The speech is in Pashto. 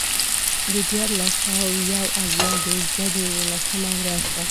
د دیارلس سوه یو اویا د جدې یوولسمه ورځ ده.